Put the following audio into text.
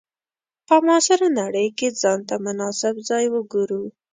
په معاصره نړۍ کې ځان ته مناسب ځای وګورو.